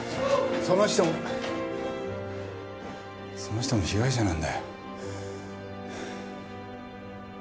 その人もその人も被害者なんだよ。